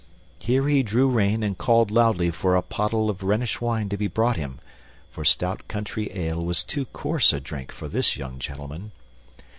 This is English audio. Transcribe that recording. Here he drew rein and called loudly for a pottle of Rhenish wine to be brought him, for stout country ale was too coarse a drink for this young gentleman.